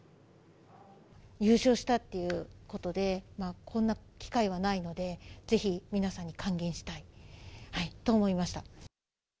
優勝したっていうことで、こんな機会はないので、ぜひ皆さんに還元したいと思いました。